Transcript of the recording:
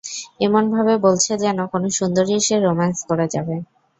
এমনভাবে বলছে যেন, কোনো সুন্দরী এসে রোমান্স করে যাবে।